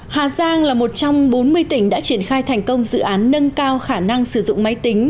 hà giang là một trong bốn mươi tỉnh đã triển khai thành công dự án nâng cao khả năng sử dụng máy tính